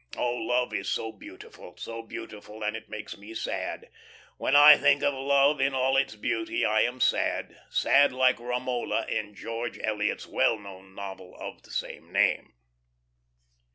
Oh, love is so beautiful so beautiful, that it makes me sad. When I think of love in all its beauty I am sad, sad like Romola in George Eliot's well known novel of the same name."